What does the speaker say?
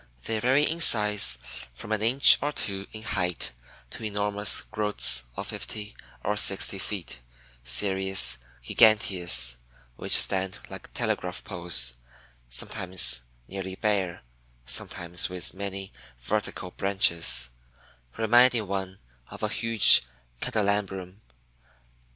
They vary in size from an inch or two in height to enormous growths of fifty or sixty feet (Cereus giganteus) which stand like telegraph poles, sometimes nearly bare, sometimes with many vertical branches, reminding one of a huge candelabrum.